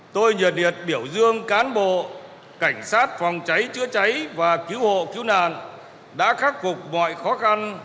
tôi nhiệt liệt biểu dương cán bộ cảnh sát phòng cháy chữa cháy và cứu hộ cứu nạn đã khắc phục mọi khó khăn